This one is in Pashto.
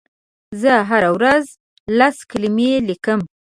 زه هره ورځ لس کلمې لیکم.